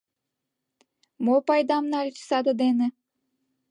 Мо пайдам нальыч садын дене?